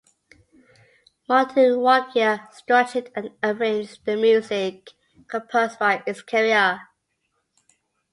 Martin Walkyier structured and arranged the music composed by Iscariah.